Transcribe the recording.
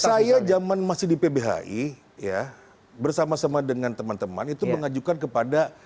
saya zaman masih di pbhi bersama sama dengan teman teman itu mengajukan kepada